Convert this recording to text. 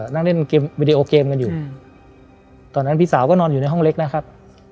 นั่งเล่นเกมวิดีโอเกมกันอยู่ตอนนั้นพี่สาวก็นอนอยู่ในห้องเล็กนะครับ